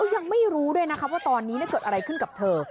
ยังไม่รู้ด้วยนะคะว่าตอนนี้เกิดอะไรขึ้นกับเธอ